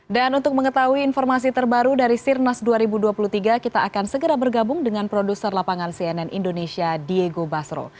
dan untuk mengetahui informasi terbaru dari sirnas dua ribu dua puluh tiga kita akan segera bergabung dengan produser lapangan cnn indonesia diego basro